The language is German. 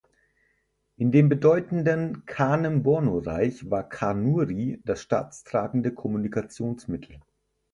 In dem bedeutenden Kanem-Borno-Reich war Kanuri das staatstragende Kommunikationsmittel.